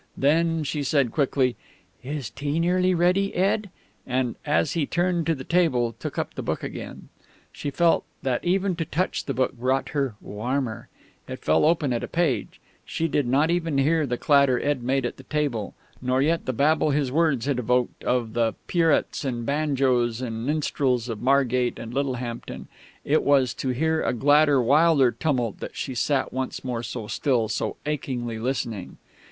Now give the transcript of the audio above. Then she said quickly, "Is tea nearly ready, Ed?" and, as he turned to the table, took up the book again. She felt that even to touch that book brought her "warmer." It fell open at a page. She did not hear the clatter Ed made at the table, nor yet the babble his words had evoked, of the pierrots and banjos and minstrels of Margate and Littlehampton. It was to hear a gladder, wilder tumult that she sat once more so still, so achingly listening....